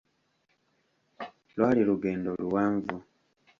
Lwali lugendo luwanvu.